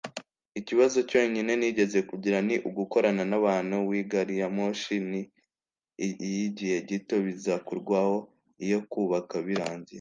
Ikibazo cyonyine nigeze kugira ni ugukorana nabantu whGariyamoshi ni iyigihe gito Bizakurwaho iyo kubaka birangiye